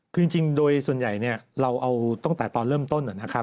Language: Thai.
คือจริงโดยส่วนใหญ่เราเอาตั้งแต่ตอนเริ่มต้น